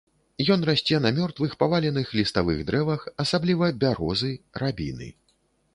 Ён расце на мёртвых, паваленых ліставых дрэвах, асабліва бярозы, рабіны.